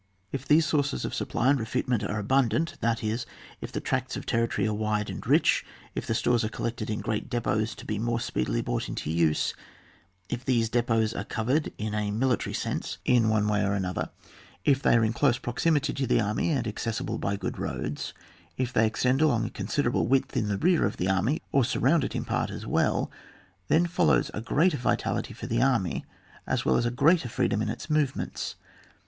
If these sources of supply and refit ment are abundant, that is, if the tracts of territory are wide and rich, if the stores are collected in great depots to be more speedily brought into use, if these depots are covered in a militazy sense in 56 ON JFAJi. [book v. one way or another, if they are in dose proximity to the army and accessible by good roads, if they extend along a con siderable width in the rear of the army or surround it in part as well — then fol lows a greater vitaliiy for the army, as well as a greater freedom in its movements.